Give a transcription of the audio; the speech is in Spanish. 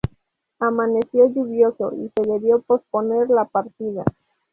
Amaneció lluvioso y se debió posponer la partida.